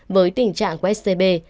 với tình trạng của scb